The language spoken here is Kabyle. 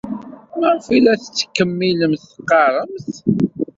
Maɣef ay la tettkemmilemt teɣɣaremt?